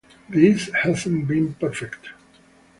This hasn’t been perfect.